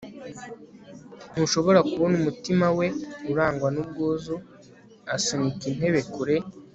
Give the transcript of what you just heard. ntushobora kubona umutima we urangwa n'ubwuzu asunika intebe kure